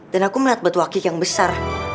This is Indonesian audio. dan aku melihat batu wakik yang besar